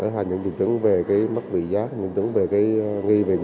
hay những dịch trứng về mất vị giác dịch trứng về nghi bệnh